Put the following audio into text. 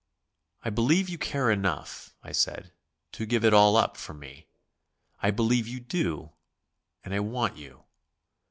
"I believe you care enough," I said "to give it all up for me. I believe you do, and I want you."